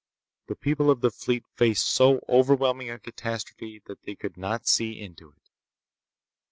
The people of the fleet faced so overwhelming a catastrophe that they could not see into it.